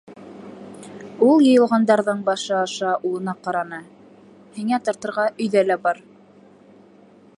- Ул йыйылғандарҙың башы аша улына ҡараны. - һиңә тартырға өйҙә лә бар.